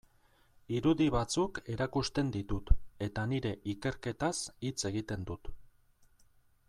Irudi batzuk erakusten ditut eta nire ikerketaz hitz egiten dut.